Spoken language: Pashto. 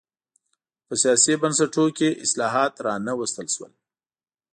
خو په سیاسي بنسټونو کې اصلاحات را نه وستل شول.